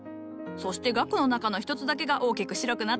そして萼の中の一つだけが大きく白くなっておるのじゃ。